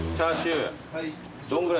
どんぐらい。